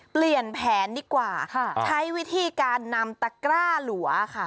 เปลี่ยนแผนดีกว่าใช้วิธีการนำตะกร้าหลัวค่ะ